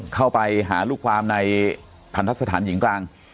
เข้าไปหารูปความในผันทัศนหญิงกลาง